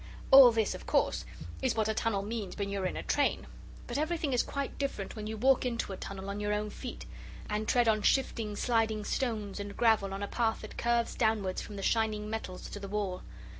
All this, of course, is what a tunnel means when you are in a train. But everything is quite different when you walk into a tunnel on your own feet, and tread on shifting, sliding stones and gravel on a path that curves downwards from the shining metals to the wall.